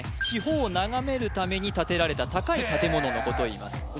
四方を眺めるために建てられた高い建物のことをいいます